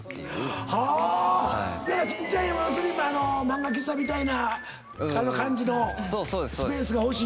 ちっちゃい漫画喫茶みたいな感じのスペースが欲しいんでしょ？